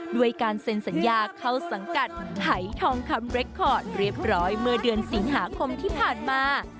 ด้วยการเซ็นสัญญาเข้าสังกัดหายทองคำเรคคอร์ดเรียบร้อยเมื่อเดือนสิงหาคมที่ผ่านมา